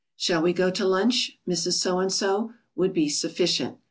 "Shall we go down to lunch, Mrs. So and so?" would be sufficient.